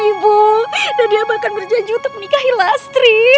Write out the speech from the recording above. ibu dan dia bahkan berjanji untuk menikahi lastri